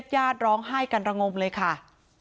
ญาติร้องไห้กันระงมเลยค่ะ